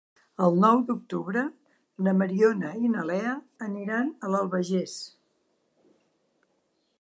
El nou d'octubre na Mariona i na Lea aniran a l'Albagés.